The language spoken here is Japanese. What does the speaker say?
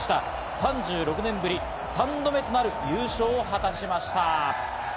３６年ぶり３度目となる優勝を果たしました。